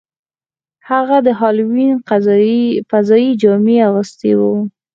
هغه د هالووین فضايي جامې اغوستې وې